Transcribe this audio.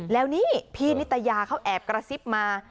แล้วนี่พี่นิตยาเขาแอบกระซิบมา